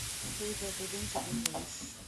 তুই প্রতিদিন চিটিং করিস।